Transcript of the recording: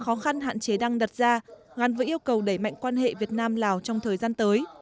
khó khăn hạn chế đang đặt ra gắn với yêu cầu đẩy mạnh quan hệ việt nam lào trong thời gian tới